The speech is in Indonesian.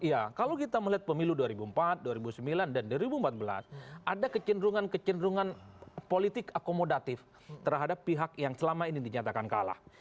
ya kalau kita melihat pemilu dua ribu empat dua ribu sembilan dan dua ribu empat belas ada kecenderungan kecenderungan politik akomodatif terhadap pihak yang selama ini dinyatakan kalah